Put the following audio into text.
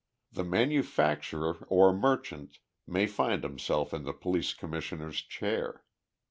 The manufacturer or merchant may find himself in the police commissioner's chair.